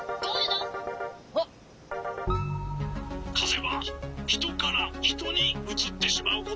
かぜはひとからひとにうつってしまうこともある。